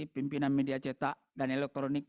pimpinan media cetak dan elektronik